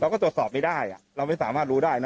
ก็ตรวจสอบไม่ได้เราไม่สามารถรู้ได้นะ